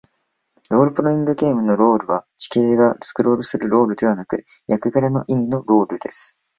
ロールプレイングゲームのロールとは、地形がスクロールするロールではなく、役柄の意味のロールです。